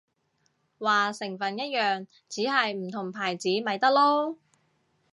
話成分一樣，只係唔同牌子咪得囉